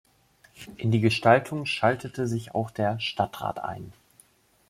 In die Gestaltung schaltete sich auch der Stadtrat ein.